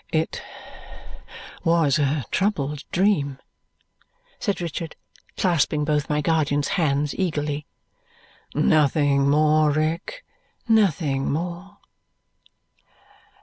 "It was a troubled dream?" said Richard, clasping both my guardian's hands eagerly. "Nothing more, Rick; nothing more."